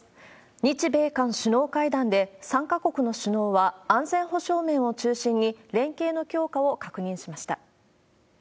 日米韓首脳会談で、３か国の首脳は、安全保障面を中心に連携の強化を確認しました。